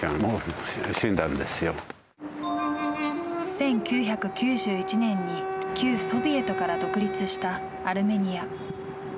１９９１年に旧ソビエトから独立したアルメニア。